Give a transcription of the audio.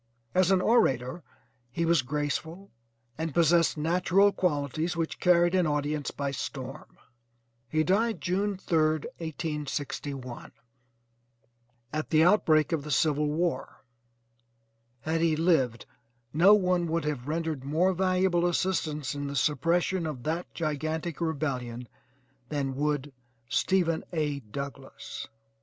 As an orator he was graceful, and possessed natural qualities which carried an audience by storm. He died June 3rd, 1861, at the outbreak of the civil war. Had he lived no one would have rendered more valuable assistance in the suppression of that gigantic rebellion than would Stephen A. Douglass.